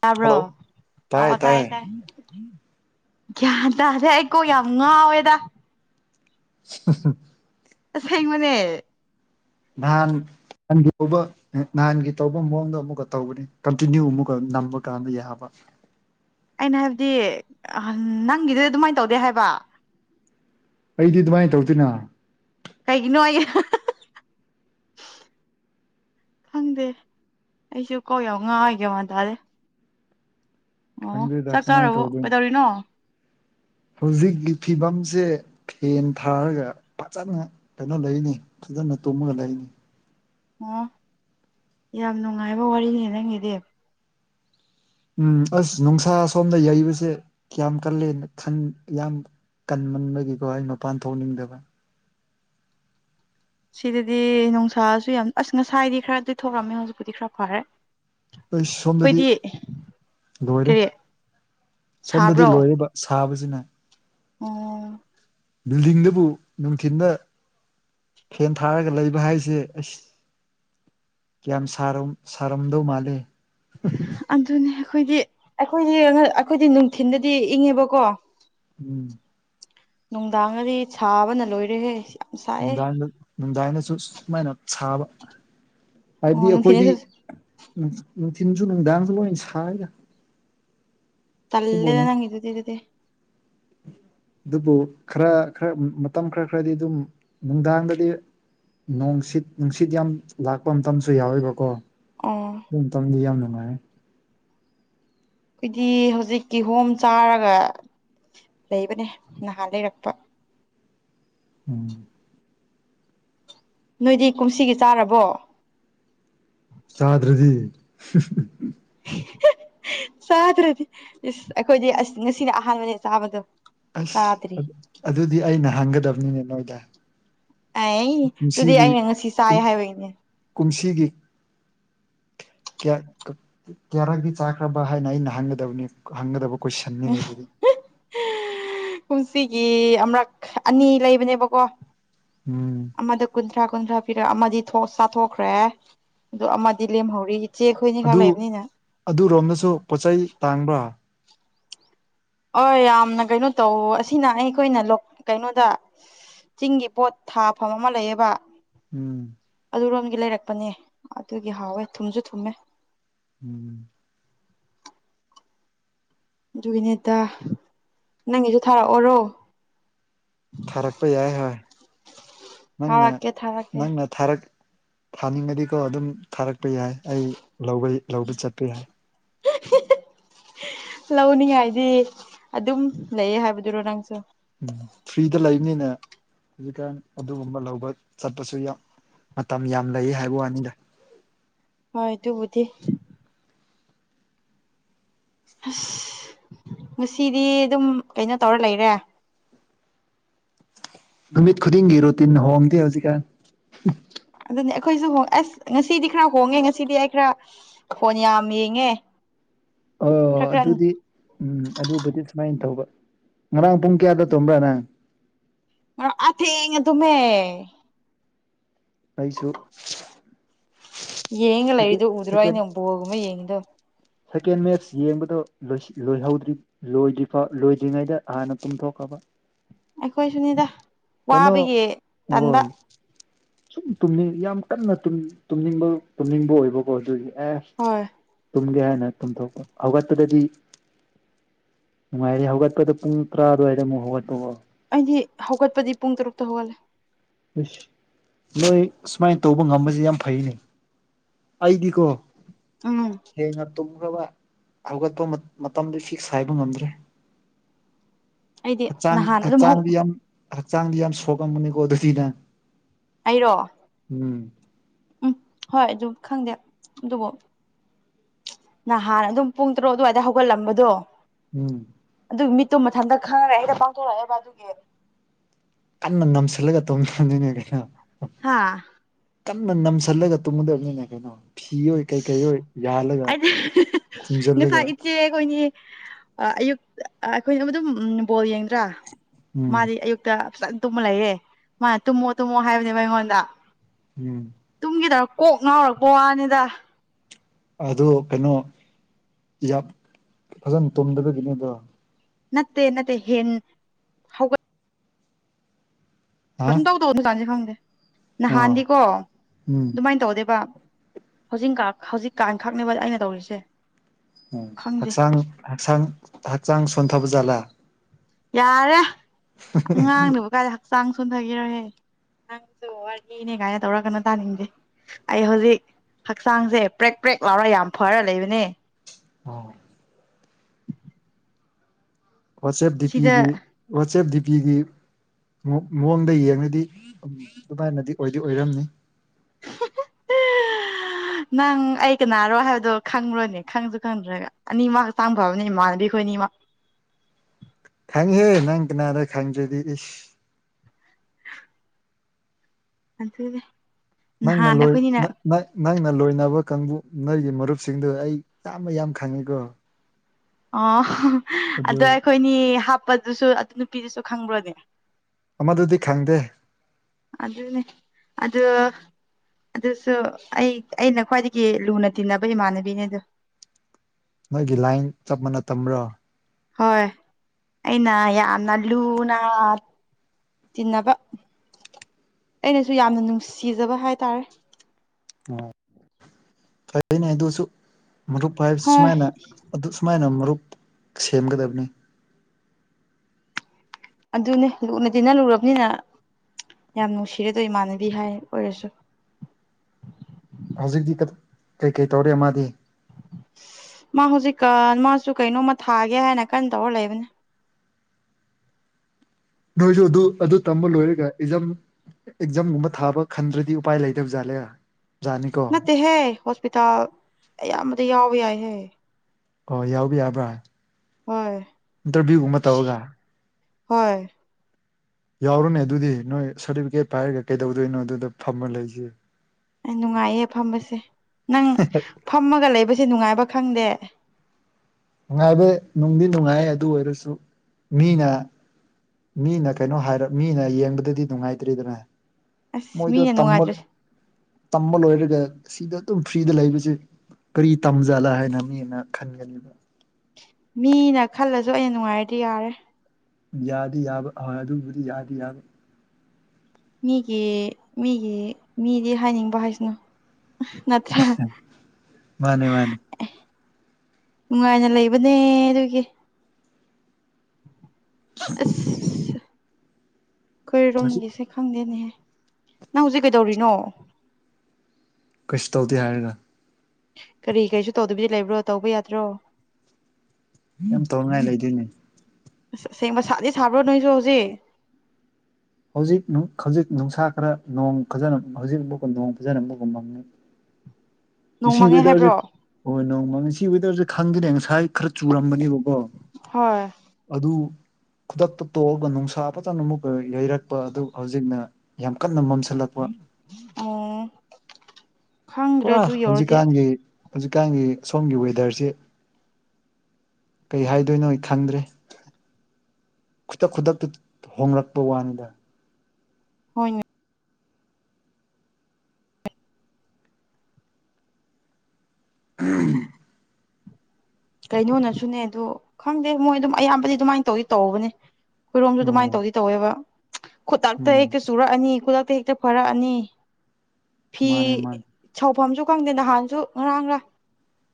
ꯇꯥꯕ꯭ꯔꯣ ꯍꯜꯂꯣ ꯑꯥ ꯇꯥꯏꯌꯦ ꯇꯥꯏ ꯒ꯭ꯌꯥꯟ ꯇꯥꯗ꯭ꯔꯦ ꯑꯩ ꯀꯣꯛ ꯌꯥꯝ ꯉꯥꯎꯋꯦꯗ ꯎ [unintelligible] ꯑꯁ‌ꯦꯡꯕꯅ‌ꯦ ꯅꯍꯥꯟ [unintelligible] ꯅꯍꯥꯟꯒꯤ ꯇꯧꯕ ꯃꯑꯣꯡꯗꫭ ꯑꯃꯨꯛꯀ ꯇꯧꯕꯅꯤ ꯀꯟꯇꯤꯅ꯭ꯌꯨ ꯑꯃꯨꯛꯀ ꯅꯝꯕ ꯀꯥꯟꯗ ꯌꯥꯕ ꯑꯩꯅ ꯍꯥꯏꯕꯗꯤ ꯅꯪꯒꯤꯗꯨꯗꯤ ꯑꯗꯨꯃꯥꯏꯅ ꯇꯧꯗꯦ ꯍꯥꯏꯕ ꯑꯩꯗꯤ ꯑꯗꯨꯃꯥꯏꯅ ꯇꯧꯗꯣꯏꯅ ꯀꯩꯒꯤꯅꯣ ꯑꯩ ꯈꯪꯗꯦ ꯑꯩꯁꯨ ꯀꫭꯛ ꯌꯥꯝ ꯉꯥꯎꯏ ꯒ꯭ꯌꯥꯟ ꯃ‌ꯦꯟ ꯇꯥꯗ‌ꯦ ꯑꯣ ꯈꯪꯗꯦꯗ ꯆꯥꯛ ꯀꯃꯥꯏꯅ ꯆꯥꯔꯕꯣ ꯇꯧꯗꯣꯏꯅꯣ ꯀꯩꯗꯧꯔꯤꯅꯣ ꯍꯧꯖꯤꯛꯀꯤ ꯐꯤꯕꯝꯁꯦ ꯐꯦꯟ ꯊꯥꯔꯒ ꯐꯖꯅ ꯀꯩꯅꯣ ꯂꯩꯅꯤ ꯐꯖꯅ ꯇꯨꯝꯃꯒ ꯂꯩꯅꯤ ꯑꯣ ꯌꯥꯝ ꯅꯨꯡꯉꯥꯏꯕ ꯋꯥꯔꯤꯅꯤ ꯅꯪꯒꯤꯗꯤ ꯎꯝ ꯑꯁ ꯅꯨꯡꯁꯥ ꯁꯣꯝꯗ ꯌꯩꯕꯁꯦ ꯀꯌꯥꯝ ꯀꯜꯂꯦꯅ ꯈꯟ ꯌꯥꯝ ꯀꯟꯃꯟꯕꯒꯤꯀꯣ ꯑꯩ ꯃꯄꯥꯟ ꯊꯣꯛꯅꯤꯡꯗꯕ ꯁꯤꯗꯗꯤ ꯅꯨꯡꯁꯥꯁꯨ ꯌꯥꯝ ꯑꯁ ꯉꯁꯥꯏꯗꯤ ꯈꯔꯗꯤ ꯊꯣꯛꯑꯝꯃꯦ ꯍꯧꯖꯤꯛꯄꯨꯗꯤ ꯈꯔ ꯐꯔꯦ ꯑꯩꯁ ꯁꯣꯝꯗꯗꯤ ꯑꯩꯈꯣꯏꯗꯤ ꯂꯣꯏꯔꯦ ꯀꯔꯤ ꯁꯣꯝꯗꯗꯤ ꯁꯥꯕ꯭ꯔꯣ ꯂꯣꯏꯔꯦꯕ ꯁꯥꯕꯖꯤꯅ ꯎꯝ ꯕꯤꯜꯗꯤꯡꯗꯨꯕꯨ ꯅꯨꯡꯊꯤꯟꯗ ꯐꯦꯟ ꯊꯥꯔꯒ ꯂꯩꯕ ꯍꯥꯏꯁꯦ ꯑꯁ ꯀꯌꯥꯝ ꯁꯥꯔꯝ ꯁꯥꯔꯝꯗꯧ ꯃꯥꯂꯦ ꯑꯗꯨꯅꯦ ꯑꯩꯈꯣꯏꯗꯤ ꯑꯩꯈꯣꯏꯗꯤ ꯑꯩꯈꯣꯏꯗꯤ ꯅꯨꯡꯊꯤꯟꯗꯗꯤ ꯏꯪꯉꯦꯕꯀꯣ ꯎꯝ ꯅꯨꯡꯗꯥꯡꯗꯗꯤ ꯁꯥꯕꯅ ꯂꯣꯏꯔꯦꯍꯦ ꯁꯥꯏꯌꯦ ꯅꯨꯡꯗꯥꯡꯗ ꯅꯨꯡꯗꯥꯡꯗꯁꯨ ꯁꯨꯃꯥꯏꯅ ꯁꯥꯕ ꯍꯥꯏꯕꯗꯤ ꯑꯣ ꯑꯩꯈꯣꯏꯗꯤ ꯅꯨꯡꯊꯤꯅꯁꯨ ꯅꯨꯡ ꯅꯨꯡꯇꯤꯟꯁꯨ ꯅꯨꯡꯗꯥꯥꯡꯁꯨ ꯂꯣꯏꯅ ꯁꯥꯏꯗ ꯑꯗꯨꯕꯨ ꯇꯜꯂꯦꯗ ꯅꯪꯒꯤꯗꯨꯗꯤ ꯑꯗꯨꯗꯤ ꯑꯗꯨꯕꯨ ꯈꯔ ꯈꯔ ꯃꯇꯝ ꯈꯔ ꯈꯔꯗꯤ ꯑꯗꯨꯝ ꯅꯨꯡꯗꯥꯡꯗꯗꯤ ꯅꯨꯡꯁꯤꯠ ꯅꯨꯡꯁꯤꯠ ꯌꯥꯝ ꯂꯥꯛꯄ ꯃꯇꯝꯁꯨ ꯌꯥꯎꯌꯦꯕꯀꯣ ꯑꯣ ꯑꯗꯨ ꯃꯇꯝꯗꯤ ꯌꯥꯝꯅ ꯅꯨꯡꯉꯥꯢꯌꯦ ꯑꯩꯈꯣꯢꯗꯤ ꯍꯧꯖꯤꯛ ꯀꯤꯍꯣꯝ ꯆꯥꯔꯒ ꯂꯩꯕꯅꯦ ꯅꯍꯥꯟ ꯂꯩꯔꯛꯄ ꯎꯝ ꯅꯣꯏꯗꯤ ꯀꯨꯝꯁꯤꯒꯤ ꯆꯥꯔꯕꯣ ꯆꯥꯗ꯭ꯔꯗꯤ [unintelligible] ꯆꯥꯗ꯭ꯔꯗꯤ ꯏꯁ ꯑꯩꯈꯣꯏꯗꯤ ꯑꯁ ꯉꯁꯤꯅ ꯑꯍꯥꯟꯕꯅꯦ ꯆꯥꯕꯗꯣ ꯑꯁ ꯆꯥꯗ꯭ꯔꯤ ꯑꯗꯨ ꯑꯗꯨꯗꯤ ꯑꯩꯅ ꯍꯪꯒꯗꯕꯅꯤꯅꯦ ꯅꯣꯏꯗ ꯑꯥꯢ ꯑꯗꯨꯗꯤ ꯀꯨꯝꯁꯤꯒꯤ ꯑꯩꯅ ꯉꯁꯤ ꯆꯥꯏ ꯍꯥꯏꯕꯒꯤꯅꯦ ꯀꯨꯝꯁꯤꯒꯤ ꯀꯌꯥ ꯀꯌꯥꯔꯛꯗꯤ ꯆꯥꯈ꯭ꯔꯕ ꯍꯥꯏꯅ ꯑꯩꯅ ꯍꯪꯒꯗꯕꯅꯤ ꯍꯪꯒꯗꯕ ꯀꯣꯏꯁꯟꯅꯤꯅꯦ ꯑꯗꯨꯗꯤ [unintelligible] ꯀꯨꯝꯁꯤꯒꯤ ꯑꯃꯔꯛ ꯑꯅꯤ ꯂꯩꯕꯅꯦꯕꯀꯣ ꯎꯝ ꯑꯃꯗ ꯀꯨꯟꯊ꯭ꯔꯥ ꯀꯨꯟꯊ꯭ꯔꯥ ꯄꯤꯔ ꯑꯃꯗꯤ ꯊꯣ ꯆꯥꯊꯣꯛꯈ꯭ꯔꯦ ꯑꯗꯨ ꯑꯃꯗꯤ ꯂꯦꯝꯍꯧꯔꯤ ꯆꯦ ꯑꯩꯈꯣꯏꯅꯤ ꯈꯛ ꯑꯗꯨ ꯂꯩꯕꯅꯤꯅ ꯑꯗꯨꯔꯣꯝꯗꯁꯨ ꯄꯣꯠ ꯆꯩ ꯇꯥꯡꯕ꯭ꯔꯥ ꯑꯣꯏ ꯌꯥꯝꯅ ꯀꯩꯅꯣ ꯇꯧ ꯑꯁꯤꯅ ꯑꯩꯈꯣꯏꯅ ꯂꯣꯛ ꯀꯩꯅꯣꯗ ꯆꯤꯡꯒꯤ ꯄꯣꯠ ꯊꯥꯐꯝ ꯑꯃ ꯂꯩꯌꯦꯕ ꯎꯝ ꯑꯗꯨꯔꯣꯝꯒꯤ ꯂꯩꯔꯛꯄꯅꯦ ꯑꯗꯨꯒꯤ ꯍꯥꯎꯋꯦ ꯊꯨꯝꯁꯨ ꯊꯨꯝꯃꯦ ꯎꯝ ꯑꯗꯨꯒꯤꯅꯦꯇꯥ ꯅꯪꯒꯤꯖꯨ ꯊꯥꯔꯛꯑꯣꯔꯣ ꯊꯥꯔꯛꯄ ꯌꯥꯏ ꯍꯥꯏ ꯅꯪꯅ ꯊꯥꯔꯛꯀꯦ ꯊꯥꯔꯛꯀꯦ ꯅꯪꯅ ꯊꯥꯔꯛ ꯊꯥꯅꯤꯡꯉꯗꯤꯀꯣ ꯑꯗꯨꯝ ꯊꯥꯔꯛꯄ ꯌꯥꯏ ꯑꯩ ꯂꯧꯕꯩ ꯂꯧꯕ ꯆꯠꯄ ꯌꯥꯏ [inaudible] ꯂꯧꯅꯤꯡꯉꯥꯏꯗꯤ ꯑꯗꯨꯝ ꯂꯩꯌꯦ ꯍꯥꯏꯕꯗꯨꯔꯣ ꯅꯪꯁꯦ ꯎꯝ ꯐ꯭ꯔꯤꯗ ꯂꯩꯕꯅꯤꯅꯥ ꯍꯧꯖꯤꯛꯀꯥꯟ ꯑꯗꯨꯒꯨꯝꯕ ꯂꯧꯕ ꯆꯠꯄꯁꯨ ꯌꯥꯝ ꯃꯇꯝ ꯌꯥꯝ ꯂꯩꯌꯦ ꯍꯥꯏꯕ ꯋꯥꯅꯤꯗ ꯍꯣꯏ ꯇꯨꯕꯨꯗꯤ ꯑꯁ ꯉꯁꯤꯗꯤ ꯑꯗꯨꯝ ꯀꯩꯅꯣ ꯇꯧꯔ ꯂꯩꯔꯦ ꯅꯨꯃꯤꯠ ꯈꯨꯗꯤꯡꯒꯤ ꯔꯨꯇꯤꯟ ꯍꯣꯡꯗꯦ ꯍꯧꯖꯤꯛꯀꯥꯟ ꯑꯗꯨꯅꯤ ꯑꯩꯈꯣꯏꯁꯨ ꯍꯣꯡ ꯑꯁ ꯉꯁꯤꯗꯤ ꯈꯔ ꯍꯣꯡꯉꯦ ꯉꯁꯤꯗꯤ ꯑꯩ ꯈꯔ ꯐꯣꯟ ꯌꯥꯝ ꯌꯦꯡꯉꯦ ꯑꯣ ꯈꯔ ꯈꯔ ꯑꯗꯨꯗꯤ ꯎꯝ ꯑꯗꯨꯕꯨꯗꯤ ꯁꯨꯃꯥꯏꯅ ꯇꯧꯕ ꯉꯔꯥꯡ ꯄꯨꯡ ꯀꯌꯥꯗ ꯇꯨꯝꯕ꯭ꯔꯥꯅ ꯅꯪ ꯉꯥꯔꯡ ꯑꯥ ꯊꯦꯡꯉꯦ ꯇꯨꯝꯃꯦ ꯑꯩꯁꯨ ꯌꯦꯡꯉꯒ ꯁꯦꯀꯦꯟ ꯂꯩꯔꯤꯗꯣ ꯎꯗꯨ꯭ꯔꯣꯅ ꯁꯦꯀꯦꯟ ꯑꯩꯅ ꯕꯣꯜꯒꯨꯝꯕ ꯌꯦꯡꯉꯗꯣ ꯁꯦꯀꯦꯟ ꯃꯦꯠꯆ ꯌꯦꯡꯕꯗꯣ ꯂꯣꯏꯁꯤ ꯂꯣꯏꯍꯧꯗ꯭ꯔꯤ ꯂꯣꯏꯗ꯭ꯔꯤ ꯐꯥꯎ ꯂꯣꯏꯗ꯭ꯔꯤꯉꯩꯗ ꯍꯥꯟꯅ ꯄꯨꯝꯊꯣꯛꯈꯥꯕ ꯑꯩꯈꯣꯏꯁꯨꯅꯤꯗ ꯀꯩꯅꯣ ꯋꯥꯕꯒꯤ ꯇꯟꯕ ꯍꯣꯏ ꯁꯨꯝ ꯇꯨꯝꯅꯤꯡ ꯌꯥꯝ ꯀꯟꯅ ꯇꯨꯝꯅꯤꯡꯕ ꯇꯨꯝꯅꯤꯡꯕ ꯑꯣꯏꯕꯀꯣ ꯑꯗꯨꯒꯤ ꯑꯦꯁ ꯍꯣꯏ ꯇꯝꯒꯦ ꯍꯥꯏꯅ ꯇꯝꯊꯛꯄ ꯍꯧꯒꯠꯄꯗꯗꯤ ꯅꯨꯡꯉꯥꯏꯔꯦ ꯍꯧꯒꯠꯄꯗꯣ ꯄꯨꯡ ꯇꯔꯥ ꯑꯗꯨꯋꯥꯏꯗ ꯑꯃꯨꯛ ꯍꯧꯒꯠꯄꯀꯣ ꯑꯩꯗꯤ ꯍꯧꯒꯠꯄꯗꯤ ꯄꯨꯡ ꯇꯔꯨꯛꯇ ꯍꯧꯒꯠꯂꯦ ꯏꯁ ꯅꯣꯏ ꯁꯨꯃꯥꯏꯅ ꯇꯧꯕ ꯉꯝꯕꯖꯦ ꯌꯝ ꯐꯩꯍꯦꯅꯦ ꯑꯩ ꯗꯤꯀꯣ ꯑꯝ ꯍꯦꯟꯅ ꯇꯨꯝꯃꯥꯕ ꯍꯧꯒꯠꯄ ꯃꯇꯝꯗꯨ ꯐꯤꯛꯁ ꯍꯥꯏꯕ ꯉꯝꯗꯔꯦ ꯑꯩꯗꯤ ꯍꯛꯆꯥꯡ ꯅꯍꯥꯟ ꯑꯗꯨꯝ ꯍꯧ ꯍꯛꯆꯥꯡꯗꯤ ꯌꯥꯝ ꯍꯛꯆꯥꯡꯗꯤ ꯌꯥꯝ ꯁꯣꯛꯒꯟꯕꯅꯤꯀꯣ [unintelligible] ꯑꯩꯔꯣ ꯎꯝ ꯍꯣꯏ ꯑꯗꯨ ꯈꯪꯗꯦ ꯑꯗꯨꯕꯨ ꯅꯍꯥꯟ ꯑꯗꯨꯝ ꯄꯨꯡ ꯇꯔꯨꯛ ꯑꯗꯨꯋꯥꯏꯗ ꯍꯧꯒꯠꯂꯝꯕꯗꯣ ꯎꯝ ꯑꯗꯨ ꯃꯤꯠꯇꯣ ꯃꯊꯟꯇ ꯈꯪꯉꯔꯦ ꯍꯦꯛꯇ ꯄꯥꯡꯊꯣꯔꯛꯑꯦꯕ ꯑꯗꯨꯒꯤ ꯀꯟꯅ ꯅꯝꯁꯤꯜꯂꯒ ꯇꯧꯃꯤꯅꯤꯅꯤ ꯀꯩꯅꯣ ꯍꯥꯥ ꯀꯟꯅ ꯅꯝꯁꯜꯂꯒ ꯇꯨꯝꯒꯗꯕꯅꯤꯅꯦ ꯀꯩꯅꯣ ꯐꯤ ꯑꯣꯏ ꯀꯩꯀꯩ ꯑꯣꯏ ꯌꯥꯜꯂꯒ ꯈꯨꯝꯖꯤꯜꯂꯒ ꯆꯦ ꯑꯈꯣꯏꯅꯤ ꯑꯌꯨꯛ ꯑꯩꯈꯣꯏꯅ ꯑꯗꯨꯝ ꯕꯣꯜ ꯌꯦꯡꯗ꯭ꯔꯥ ꯎꯝ ꯃꯥꯗꯤ ꯑꯌꯨꯛꯇ ꯐꯖꯅ ꯇꯨꯝꯃ ꯂꯩꯌꯦ ꯃꯥꯅ ꯇꯨꯝꯃꯣ ꯇꯨꯝꯃꯣ ꯍꯥꯏꯕꯅꯦꯕ ꯑꯩꯉꯣꯟꯗ ꯎꯝ ꯇꯨꯝꯒꯤꯗ ꯀꯣꯛ ꯉꯥꯎꯔꯛꯄ ꯋꯥꯅꯤꯗ ꯑꯗꯨ ꯀꯩꯅꯣ ꯌꯥꯝ ꯐꯖꯅ ꯇꯨꯝꯗꯕꯒꯤꯅꯦ ꯑꯗꯣ ꯅꯠꯇꯦ ꯅꯠꯇꯦ ꯍꯦꯜ ꯍꯥ ꯁꯨꯡꯇꯧ ꯇꯧ ꯀꯟꯗꯤ ꯈꯪꯗꯦ ꯑꯥ ꯅꯍꯥꯟꯗꯤꯀꯣ ꯎꯝ ꯑꯗꯨꯃꯥꯏꯅ ꯇꯧꯗꯦꯕ ꯍꯧꯖꯤꯛꯀ ꯍꯧꯖꯤꯛꯀꯥꯟꯈꯛꯅꯦꯕ ꯑꯩꯅ ꯇꯧꯔꯤꯁꯦ ꯎ ꯈꯪꯗꯦ ꯍꯛꯆꯥꯡ ꯍꯛꯆꯥꯡ ꯍꯛꯆꯥꯡ ꯁꯣꯟꯊꯕꯖꯥꯠꯂ ꯌꯥꯔꯦ ꯑꯉꯥꯡꯅꯕꯨ ꯀꯥꯏꯗ ꯍꯛꯆꯥꯡ ꯁꯣꯟꯊꯈꯤꯔꯍꯦ ꯅꯪꯁꯨ ꯋꯥꯔꯤꯅꯦ ꯀꯥꯏꯅ ꯇꯧꯔꯛꯀꯅꯣ ꯇꯥꯅꯤꯡꯗꯦ ꯑꯩ ꯍꯧꯖꯤꯛ ꯍꯛꯆꯥꯡꯖꯦ ꯄ꯭ꯔꯦꯛ ꯄ꯭ꯔꯦꯛ ꯂꯥꯎꯔꯒ ꯌꯥꯝ ꯐꯔ ꯂꯩꯕꯅꯦ ꯑꯣ ꯋꯥꯆꯦꯞ ꯁꯤꯗ ꯗꯤꯄꯤꯒꯤ ꯋꯥꯆꯦꯞ ꯗꯤꯄꯤꯒꯤ ꯃꯑꯣꯡꯗ ꯌꯦꯡꯉꯗꯤ ꯑꯗꯥꯏꯅꯗꯤ ꯑꯣꯏꯗꯤ ꯑꯣꯏꯔꯝꯅꯤ [inaudible] ꯅꯪ ꯑꯩ ꯀꯅꯥꯔꯣ ꯍꯥꯏꯕꯗꯣ ꯈꯪꯕꯔꯅꯦ ꯈꯪꯖꯨ ꯈꯪꯗ꯭ꯔꯒ ꯑꯅꯤꯃꯛ ꯍꯛꯆꯥꯡ ꯐꯕꯅꯦ ꯏꯃꯥꯟꯅꯕꯤ ꯑꯩꯈꯣꯏꯅꯤꯃꯛ ꯈꯪꯍꯦ ꯅꯪ ꯀꯅꯥꯔ ꯈꯪꯗ꯭ꯔꯗꯤ ꯏꯁ [unintelligible] ꯑꯟꯊꯨꯗ ꯅꯪꯅ ꯂꯣꯏꯅ ꯅ ꯅꯪꯅ ꯂꯣꯏꯅꯕ ꯀꯥꯡꯕꯨ ꯅꯪꯒꯤ ꯃꯔꯨꯞꯁꯤꯡꯗꯨ ꯑꯩ ꯌꯥꯝꯃ ꯌꯥꯝ ꯈꯪꯉꯤꯀꯣ ꯑꯣ ꯑꯗꯨ ꯑꯗꯣ ꯑꯈꯣꯏꯅꯤ ꯍꯥꯞꯄꯗꯨꯁꯨ ꯑꯗꯨ ꯅꯨꯄꯤꯗꯨꯁꯨ ꯈꯪꯕ꯭ꯔꯣꯅꯦ ꯑꯃꯗꯨꯗꯤ ꯈꯪꯗꯦ ꯑꯗꯨꯅꯦ ꯑꯗꯨ ꯑꯗꯨꯁꯨ ꯑꯩ ꯑꯩꯅ ꯈ꯭ꯋꯥꯏꯗꯒꯤ ꯂꯨꯅ ꯇꯤꯟꯅꯕ ꯏꯃꯥꯟꯅꯕꯤꯅꯦ ꯑꯗꯨ ꯅꯣꯏꯒꯤ ꯂꯥꯏꯟ ꯆꯞ ꯃꯟꯅ ꯇꯝꯕ꯭ꯔꯥ ꯍꯣꯏ ꯑꯩꯅ ꯌꯥꯝꯅ ꯂꯨꯅ ꯇꯤꯟꯅꯕ ꯑꯩꯅꯁꯨ ꯌꯥꯝꯅ ꯅꯨꯡꯁꯤꯖꯕ ꯍꯥꯏꯇꯥꯔꯦ ꯑꯣ ꯐꯩꯅꯦ ꯑꯗꯨꯁꯨ ꯃꯔꯨꯞ ꯍꯥꯏꯕꯁꯤ ꯍꯣꯏ ꯁꯨꯃꯥꯏꯅ ꯑꯗꯨ ꯁꯨꯃꯥꯏꯅ ꯃꯔꯨꯞ ꯁꯦꯝꯒꯗꯕꯅꯤ ꯑꯗꯨꯅꯦ ꯂꯨꯅ ꯇꯤꯟꯅ ꯂꯨꯔꯕꯅꯤꯅ ꯌꯥꯝ ꯅꯨꯡꯁꯤꯔꯦꯗꯣ ꯏꯃꯥꯟꯅꯕꯤ ꯍꯥꯏ ꯑꯣꯏꯔꯁꯨ ꯍꯧꯖꯤꯛꯇꯤ ꯀꯩꯀꯩ ꯇꯧꯔꯦ ꯃꯥꯗꯤ ꯃꯥ ꯍꯧꯖꯤꯛꯀ ꯃꯥꯁꯨ ꯀꯩꯅꯣꯝꯃ ꯊꯥꯒꯦ ꯍꯥꯏꯅ ꯀꯟꯅ ꯇꯧꯔ ꯂꯩꯕꯅꯦ ꯅꯣꯏꯁꯨ ꯑꯗꯨ ꯑꯗꯨ ꯇꯝꯕ ꯂꯣꯏꯔꯒ ꯑꯦꯛꯖꯝ ꯑꯦꯛꯖꯥꯝꯒꯨꯝꯕ ꯊꯥꯕ ꯈꯟꯗ꯭ꯔꯗꯤ ꯎꯄꯥꯏ ꯂꯩꯗꯕꯖꯥꯠꯂ ꯅꯠꯇꯦꯍꯦ ꯍꯣꯁꯄꯤꯇꯥꯜ ꯑꯌꯥꯝꯕꯗ ꯌꯥꯎꯕ ꯌꯥꯏꯍꯦ ꯑꯣ ꯌꯥꯎꯕ ꯌꯥꯕ꯭ꯔꯥ? ꯍꯣꯏ ꯏꯟꯇꯔꯚꯤꯌꯨꯒꯨꯝꯕ ꯇꯧꯔꯒ ꯍꯣꯏ ꯌꯥꯎꯔꯣꯅꯦ ꯑꯗꯨꯗꯤ ꯅꯣꯏ ꯁꯥꯔꯇꯤꯐꯤꯀꯦꯠ ꯄꯥꯏꯔꯒ ꯀꯩꯗꯧꯗꯣꯏꯅꯣ ꯑꯗꯨꯗ ꯐꯝꯃ ꯂꯩꯁꯦ ꯑꯩ ꯅꯨꯡꯉꯥꯏꯌꯦ ꯐꯝꯕꯁꯦ ꯅꯪ ꯐꯝꯃꯒ ꯂꯩꯕꯁꯦ ꯅꯨꯡꯉꯥꯏꯕ ꯈꯪꯗꯦ ꯅꯨꯡꯉꯥꯏꯕ ꯅꯨꯡꯗꯤ ꯅꯨꯡꯉꯥꯏ ꯑꯗꯨ ꯑꯣꯏꯔꯁꯨ ꯃꯤꯅ ꯃꯤꯅ ꯀꯩꯅꯣ ꯍꯥꯏꯔ ꯃꯤꯅ ꯌꯦꯡꯕꯗꯗꯤ ꯅꯨꯡꯉꯥꯏꯇ꯭ꯔꯤꯗꯅꯦ ꯑꯁ ꯃꯣꯏꯗꯣ ꯃꯤꯅ ꯇꯝꯕ ꯅꯨꯡꯉꯥꯏꯇ꯭ꯔꯁꯦ ꯇꯝꯕ ꯂꯣꯏꯔꯒ ꯁꯤꯗ ꯑꯗꯨꯝ ꯐ꯭ꯔꯤꯗ ꯂꯩꯕꯁꯦ ꯀꯔꯤ ꯇꯝꯖꯥꯠꯂ ꯍꯥꯏꯅ ꯃꯤꯅ ꯈꯟꯒꯅꯤꯕ꯫ ꯃꯤꯅ ꯈꯜꯂꯁꯨ ꯑꯩꯅ ꯅꯨꯡꯉꯥꯏꯔꯗꯤ ꯌꯥꯔꯦ꯫ ꯌꯥꯗꯤ ꯌꯥꯕ ꯍꯣꯏ ꯑꯗꯨꯕꯨꯗꯤ ꯌꯥꯗꯤ ꯌꯥꯕ ꯃꯤꯒꯤ ꯃꯤꯒꯤ ꯃꯤꯗꯤ ꯍꯥꯏꯅꯤꯡꯕ ꯍꯥꯏꯁꯅꯨ꯫ ꯅꯠꯇ꯭ꯔ ꯃꯥꯅꯦ ꯃꯥꯅꯦ ꯑꯦ ꯅꯨꯡꯉꯥꯏꯅ ꯂꯩꯕꯅꯦ ꯑꯗꯨꯒꯤ ꯑꯁ ꯑꯩꯈꯣꯏꯔꯣꯝꯒꯤꯁꯦ ꯈꯪꯗꯦꯅꯦꯍꯦ ꯅꯪ ꯍꯧꯖꯤꯛ ꯀꯩꯗꯧꯔꯤꯅꯣ? ꯀꯩꯁꯨ ꯇꯧꯗꯦ ꯍꯥꯏꯔꯒ ꯀꯔꯤ ꯀꯔꯤꯁꯨ ꯇꯧꯗꯕꯗꯤ ꯂꯩꯕ꯭ꯔꯣ ꯇꯧꯕ ꯌꯥꯗ꯭ꯔꯣ ꯌꯥꯝ ꯇꯧꯅꯉꯥꯏ ꯂꯩꯗꯣꯏꯅꯦ ꯑꯁꯦꯡꯕ ꯁꯥꯗꯤ ꯁꯥꯕ꯭ꯔꯣ ꯅꯣꯏꯖꯨ ꯍꯧꯖꯤꯛ? ꯍꯧꯖꯤꯛ ꯅꯨꯡ ꯍꯧꯖꯤꯛ ꯅꯨꯡꯁꯥ ꯈꯔ ꯅꯣꯡ ꯐꯖꯅ ꯍꯧꯖꯤꯛꯐꯥꯎ ꯅꯣꯡ ꯐꯖꯅ ꯑꯃꯨꯛꯒ ꯃꯪꯉꯤ꯫ ꯅꯣꯡ ꯉꯁꯤ ꯃꯪꯉꯦ ꯋꯦꯗꯔꯁꯦ ꯍꯥꯏꯕ꯭ꯔꯣ? ꯍꯣꯏ ꯅꯣꯡ ꯃꯪꯉꯦ ꯁꯤ ꯋꯦꯗꯔꯁꯦ ꯈꯪꯗꯦꯅꯦ ꯉꯁꯥꯏ ꯈꯔ ꯆꯨꯔꯝꯕꯅꯦꯕꯀꯣ ꯍꯣꯏ ꯑꯗꯨ ꯈꯨꯗꯛꯇ ꯇꯣꯛꯑꯒ ꯅꯨꯡꯁꯥ ꯐꯖꯅ ꯑꯃꯨꯛꯀ ꯌꯩꯔꯛꯄ ꯑꯗꯨ ꯍꯧꯖꯤꯛꯅ ꯌꯥꯝ ꯀꯟꯅ ꯃꯝꯁꯜꯂꯛꯄ ꯑꯣ ꯈꯪꯗ꯭ꯔꯦ ꯄꯨꯔꯥ ꯑꯗꯨ ꯌꯧꯔꯗꯤ ꯍꯧꯖꯤꯛꯀꯥꯟꯒꯤ ꯍꯧꯖꯤꯛꯀꯥꯟꯒꯤ ꯁꯣꯝꯒꯤ ꯋꯦꯗꯔꯁꯤ ꯀꯩ ꯍꯥꯏꯗꯣꯏꯅꯣ ꯈꯪꯗ꯭ꯔꯦ ꯈꯨꯗꯛ ꯈꯨꯗꯛꯇ ꯍꯣꯡꯂꯛꯄ ꯋꯥꯅꯤꯗ꯫ ꯍꯣꯏꯅꯦ ꯎꯝ ꯀꯩꯅꯣꯅꯁꯨꯅꯦ ꯑꯗꯨ ꯈꯪꯗꯦ ꯃꯣꯏ ꯑꯗꯨꯝ ꯑꯌꯥꯝꯕꯗꯤ ꯑꯗꯨꯃꯥꯏꯅ ꯇꯧꯗꯤ ꯇꯧꯕꯅꯦ ꯈꯣꯏꯔꯣꯝꯁꯨ ꯑꯗꯨꯃꯥꯏ ꯑꯣ ꯇꯧꯗꯤ ꯇꯧꯋꯦꯕ ꯈꯨꯇꯥꯛꯇ ꯎꯝ ꯍꯦꯛꯇ ꯆꯨꯔꯛꯑꯅꯤ ꯈꯨꯇꯥꯛꯇ ꯍꯦꯛꯇ ꯐꯔꯛꯑꯅꯤ ꯐꯤ ꯃꯥꯅꯦ ꯃꯥꯅꯦ ꯁꯧꯐꯝꯁꯨ ꯈꯪꯗꯦ ꯅꯍꯥꯟꯁꯨ ꯉꯔꯥꯡꯔ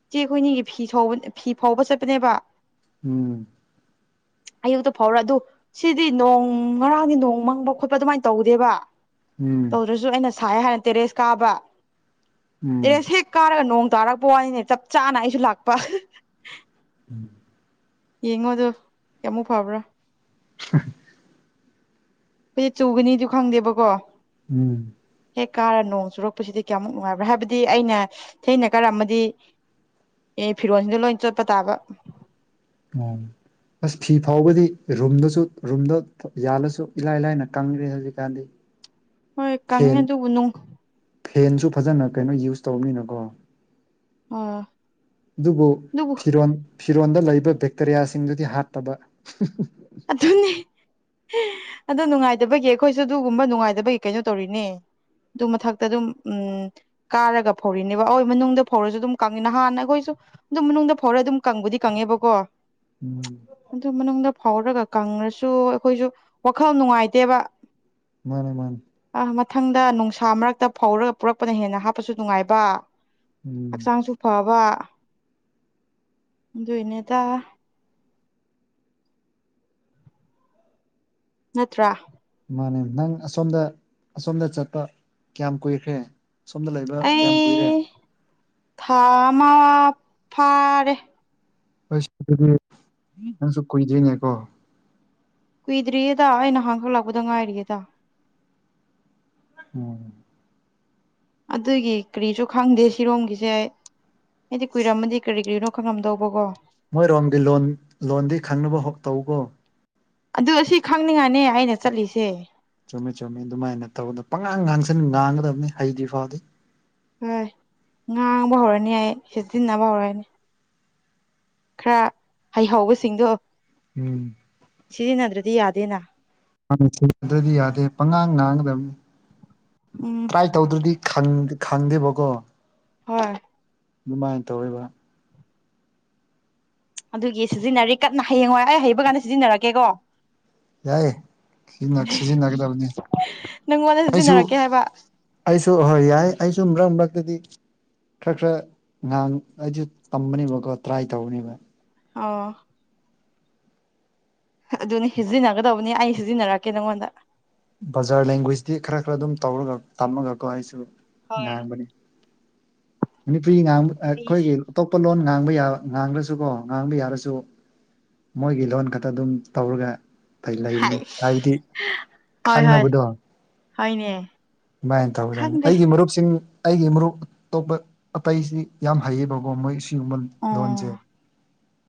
ꯏꯆꯦ ꯑꯩꯈꯣꯏꯅꯤꯒꯤ ꯐꯤ ꯁꯧꯕ ꯐꯧꯕ ꯆꯠꯄꯅꯦꯕ ꯎꯝ ꯑꯌꯨꯛꯇ ꯐꯧꯔ ꯑꯗꯨ ꯁꯤꯗꯤ ꯅꯣꯡ ꯉꯔꯥꯡꯗꯤ ꯅꯣꯡ ꯃꯪꯕ ꯈꯣꯠꯄ ꯑꯗꯨꯃꯥꯏꯅ ꯇꯧꯗꯦꯕ ꯎꯝ ꯇꯧꯗ꯭ꯔꯁꯨ ꯑꯩꯅ ꯁꯥꯏ ꯍꯥꯏꯅ ꯇꯦꯔꯦꯁ ꯀꯥꯕ ꯎꯝ ꯇꯦꯔꯦꯁ ꯍꯦꯛ ꯀꯥꯔꯒ ꯅꯣꯡ ꯇꯥꯔꯛꯄ ꯋꯥꯅꯤꯅꯦ ꯆꯞ ꯆꯥꯅ ꯑꯩꯁꯨ ꯂꯥꯛꯄ ꯎꯝ ꯌꯦꯡꯉꯣ ꯑꯗꯨ ꯀꯌꯥꯃꯨꯛ ꯐꯕ꯭ꯔꯥ [unintelligible] ꯈꯣꯏꯗꯤ ꯆꯨꯒꯅꯤꯖꯨ ꯈꯪꯗꯦꯕꯀꯣ ꯎꯝ ꯍꯦꯛ ꯀꯥꯔ ꯅꯣꯡ ꯆꯨꯔꯛꯄꯁꯤꯗꯤ ꯀꯌꯥꯃꯨꯛ ꯅꯨꯡꯉꯥꯏꯕ꯭ꯔꯥ ꯍꯥꯏꯕꯗꯤ ꯑꯩꯅ ꯊꯦꯡꯅ ꯀꯥꯔꯝ ꯃꯗꯤ ꯑꯦ ꯐꯤꯔꯣꯟꯖꯨ ꯂꯣꯏ ꯆꯣꯠꯄ ꯇꯥꯕ ꯎꯝ ꯑꯁ ꯐꯤ ꯐꯥꯎꯕꯗꯤ ꯔꯨꯝꯗꯁꯨ ꯔꯨꯝꯗ ꯌꯥꯜꯂꯁꯨ ꯏꯂꯥꯏ ꯂꯥꯏꯅ ꯀꯪꯒ꯭ꯔꯦ ꯍꯧꯖꯤꯛꯀꯥꯟꯗꯤ ꯍꯣꯏ ꯀꯪꯉꯦ ꯐꯦꯟ ꯑꯗꯨꯕꯨ ꯅꯣꯡ ꯐꯦꯟꯁꯨ ꯐꯖꯅ ꯀꯩꯅꯣ ꯌꯨꯁ ꯇꯧꯅꯤꯅ ꯀꯣ ꯑꯥ ꯑꯗꯨꯕꯨ ꯐꯤꯔꯣꯟ ꯐꯤꯔꯣꯟꯗ ꯂꯩꯕ ꯕꯦꯛꯇꯔꯤꯌꯥꯁꯤꯡꯗꯨꯗꯤ ꯍꯥꯠꯄꯕ ꯑꯗꯨꯅꯦ ꯑꯗꯣ ꯅꯨꯡꯉꯥꯏꯗꯕꯒꯤ ꯑꯩꯈꯣꯏꯁꯨ ꯑꯗꯨꯒꯨꯝꯕ ꯅꯨꯡꯉꯥꯏꯗꯕꯒꯤ ꯀꯩꯅꯣ ꯇꯧꯔꯤꯅꯦ ꯑꯗꯨ ꯃꯊꯛꯇ ꯑꯗꯨꯝ ꯎꯝ ꯀꯥꯔꯒ ꯐꯧꯔꯤꯅꯦꯕ ꯑꯣꯏ ꯃꯅꯨꯡꯗ ꯐꯧꯔꯖꯨ ꯑꯗꯨꯝ ꯀꯪꯉꯤ ꯅꯍꯥꯟꯅ ꯑꯩꯈꯣꯏꯁꯨ ꯑꯗꯨꯝ ꯃꯅꯨꯡꯗ ꯐꯥꯎꯔ ꯑꯗꯨꯝ ꯀꯪꯕꯨꯗꯤ ꯀꯪꯉꯦꯕꯀꯣ ꯎꯝ ꯑꯗꯨ ꯃꯅꯨꯡꯗ ꯐꯥꯎꯔꯒ ꯀꯪꯉꯁꯨ ꯑꯩꯈꯣꯏꯁꯨ ꯋꯥꯈꯜ ꯅꯨꯡꯉꯥꯏꯇꯦꯕ ꯃꯥꯅꯦ ꯃꯥꯅꯦ ꯑ ꯃꯊꯪꯗ ꯅꯨꯡꯁꯥ ꯃꯔꯛꯇ ꯐꯧꯔꯒ ꯄꯨꯔꯛꯄꯅ ꯍꯦꯟꯅ ꯍꯥꯞꯄꯁꯨ ꯅꯨꯡꯉꯥꯏꯕ ꯎꯝ ꯍꯛꯆꯥꯡꯁꯨ ꯐꯥꯕ ꯑꯗꯨꯏꯅꯦꯗ ꯅꯠꯇ꯭ꯔꯥ ꯃꯥꯅꯦ ꯅꯪ ꯑꯁꯣꯝꯗ ꯑꯁꯣꯝꯗ ꯆꯠꯄ ꯀꯌꯥꯝ ꯀꯨꯏꯈ꯭ꯔꯦ ꯁꯣꯝꯗ ꯂꯩꯕ ꯀꯌꯥꯝ ꯀꯨꯏꯔꯦ ꯑꯩ ꯊꯥ ꯑꯃꯥ ꯐꯔꯦ ꯍꯥꯁ ꯑꯗꯨꯗꯤ ꯅꯪꯁꯨ ꯀꯨꯏꯗ꯭ꯔꯤꯅꯦꯀꯣ ꯀꯨꯏꯗ꯭ꯔꯤꯌꯦꯗ ꯑꯩꯅ ꯍꯥꯡꯍꯜꯂꯥꯛꯄꯗ ꯉꯥꯏꯔꯤꯌꯦꯗ ꯎꯝ ꯑꯗꯨꯒꯤ ꯀꯔꯤꯁꯨ ꯈꯪꯗꯦ ꯁꯤꯔꯣꯝꯒꯤꯁꯦ ꯑꯩꯗꯤ ꯀꯨꯏꯔꯝꯃꯗꯤ ꯀꯔꯤ ꯀꯔꯤꯔꯣ ꯈꯪꯉꯝꯗꯧꯕꯀꯣ ꯃꯣꯏꯔꯣꯝꯒꯤ ꯂꯣꯟ ꯂꯣꯟꯗꯤ ꯈꯪꯅꯕ ꯍ ꯇꯧꯕ꯭ꯔꯣ ꯑꯗꯨ ꯑꯁꯤ ꯈꯪꯅꯤꯡꯉꯥꯏꯅꯦ ꯑꯩꯅ ꯆꯠꯂꯤꯁꯦ ꯆꯨꯝꯃꯦ ꯆꯨꯝꯃꯦ ꯑꯗꯨꯃꯥꯏꯅ ꯇꯧꯕꯗ ꯄꯉꯥꯡ ꯉꯥꯡꯁꯤꯟ ꯉꯥꯡꯒꯗꯕꯅꯤ ꯍꯩꯗꯤ ꯐꯥꯎꯗꯤ ꯍꯣꯏ ꯉꯥꯡꯕ ꯍꯧꯔꯅꯤ ꯑꯩ ꯁꯤꯖꯤꯟꯅꯕ ꯍꯧꯔꯅꯤ ꯈꯔ ꯍꯩꯍꯧꯕꯁꯤꯡꯗꯣ ꯎꯝ ꯁꯤꯖꯤꯟꯅꯗ꯭ꯔꯗꯤ ꯌꯥꯗꯦꯅ ꯑꯪ ꯁꯤꯖꯤꯟꯅꯗ꯭ꯔꯗꯤ ꯌꯥꯗꯦ ꯄꯉꯥꯡ ꯉꯥꯡꯒꯗꯝꯅꯤ ꯎꯝ ꯇ꯭ꯔ‌ꯥꯏ ꯇꯧꯗ꯭ꯔꯗꯤ ꯈꯪ ꯈꯪꯗꯦꯕꯀꯣ ꯍꯣꯏ ꯗꯨꯃꯥꯏꯅ ꯇꯧꯔꯦꯕ ꯑꯗꯨꯒꯤ ꯁꯤꯖꯤꯟꯅꯔꯤ ꯀꯟꯅ ꯍꯌꯦꯡꯋꯥꯏ ꯑꯩ ꯍꯩꯕ ꯀꯥꯟꯗ ꯁꯤꯖꯤꯟꯅꯔꯛꯀꯦꯀꯣ ꯌꯥꯏ ꯁꯤꯖꯤꯟꯅ ꯁꯤꯖꯤꯟꯅꯒꯗꯕꯅꯤ ꯅꯪꯉꯣꯟꯗ ꯑꯩꯁꯨ ꯁꯤꯖꯤꯟꯅꯔꯛꯀꯦ ꯍꯥꯏꯕ ꯑꯩꯁꯨ ꯍꯣꯏ ꯌꯥꯏ ꯑꯩꯁꯨ ꯃꯔꯛ ꯃꯔꯛꯇꯗꯤ ꯈꯔ ꯈꯔ ꯉꯥꯡ ꯑꯩꯖꯨ ꯇꯝꯕꯅꯦꯕꯀꯣ ꯇ꯭ꯔꯥꯏ ꯇꯧꯕꯅꯦꯕ ꯑꯧ ꯑꯗꯨꯅꯤ ꯁꯤꯖꯤꯟꯅꯒꯗꯧꯕꯅꯤ ꯑꯩ ꯁꯤꯖꯤꯟꯅꯔꯛꯀꯦ ꯅꯉꯣꯟꯗ ꯕꯖꯥꯔ ꯂꯦꯡꯒ꯭ꯋꯦꯖꯇꯤ ꯈꯔ ꯈꯔ ꯑꯗꯨꯝ ꯇꯧꯔꯒ ꯇꯝꯃꯒꯀꯣ ꯑꯩꯁꯨ ꯍꯣꯏ ꯉꯥꯡꯕꯅꯤ ꯃꯅꯤꯄꯨꯔꯤ ꯉꯥꯡꯕ ꯑꯥ ꯑꯩ ꯈꯣꯏꯒꯤ ꯑꯇꯣꯞꯄ ꯂꯣꯟ ꯉꯥꯡꯕ ꯌꯥꯕ ꯉꯥꯡꯂꯁꯨꯀꯣ ꯉꯥꯡꯕ ꯌꯥꯔꯁꯨ ꯃꯣꯏꯒꯤ ꯂꯣꯟ ꯈꯛꯇ ꯑꯗꯨꯝ ꯇꯧꯔꯒ ꯂꯩꯕꯅꯤ ꯍꯥꯏꯁ ꯍꯥꯏꯕꯗꯤ ꯍꯣꯏ ꯍꯣꯏ ꯈꯪꯅꯕꯗꯣ ꯍꯣꯏꯅꯦ ꯑꯗꯨꯃꯥꯏ ꯇꯧꯒꯗꯕꯅꯦ ꯈꯪꯗꯦ ꯑꯩꯒꯤ ꯃꯔꯨꯞ ꯁꯤꯡ ꯑꯩꯒꯤ ꯃꯔꯨꯞ ꯑꯇꯣꯞꯄ ꯑꯇꯩꯁꯤ ꯌꯥꯝ ꯍꯩꯌꯦꯕꯀꯣ ꯃꯣꯏ ꯁꯤꯒꯨꯝꯕ ꯑꯣ ꯂꯣꯟꯖꯦ